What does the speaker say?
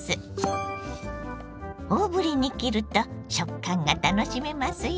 大ぶりに切ると食感が楽しめますよ。